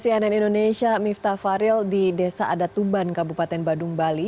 cnn indonesia miftah faril di desa adatuban kabupaten badung bali